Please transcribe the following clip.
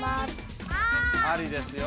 ありですよ。